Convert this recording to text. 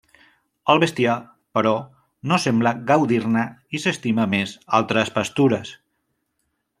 El bestiar, però, no sembla gaudir-ne i s'estima més altres pastures.